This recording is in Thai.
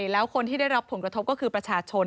แล้วคนที่ได้รับผลกระทบก็คือประชาชน